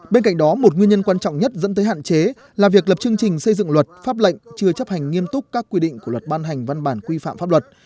bên cạnh đó một nguyên nhân quan trọng nhất dẫn tới hạn chế là việc lập chương trình xây dựng luật pháp lệnh chưa chấp hành nghiêm túc các quy định của luật ban hành văn bản quy phạm pháp luật